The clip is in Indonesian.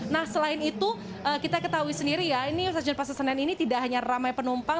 nah selain itu kita ketahui sendiri ya ini stasiun pasar senen ini tidak hanya ramai penumpang